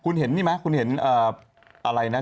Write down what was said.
คุณเห็นนี่ไหมคุณเห็นอะไรนะ